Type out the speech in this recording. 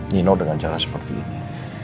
dino dengan cara seperti ini